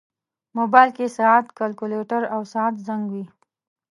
موبایل کې ساعت، کیلکولیټر، او ساعت زنګ وي.